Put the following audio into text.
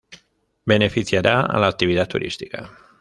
Beneficiará a la actividad turística.